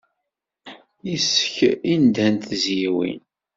Yes-k i nedhent tezyiwin.